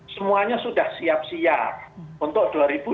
semuanya sudah siap siap untuk dua ribu dua puluh